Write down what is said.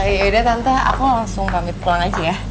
yaudah tante aku langsung pamit pulang aja ya